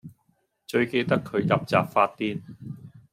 最記得佢入閘發癲